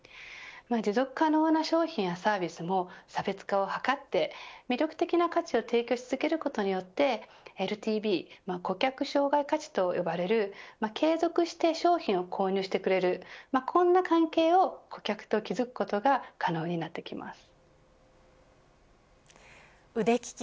持続可能な商品やサービスも差別化を図って魅力的な価値を提供し続けることによってＬＴＶ顧客生涯価値と呼ばれる継続して商品を購入してくれるこんな関係を顧客と築くことが可能になってきます。